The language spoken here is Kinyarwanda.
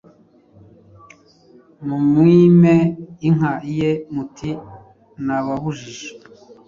mumwime inka ye muti nababujije